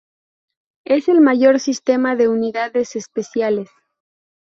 Es el mayor sistema de unidades espaciales.